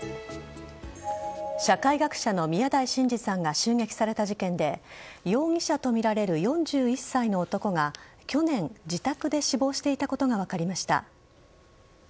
社会学者の宮台真司さんが襲撃された事件で容疑者とみられる４１歳の男が去年、自宅で死亡していたことが分かりました。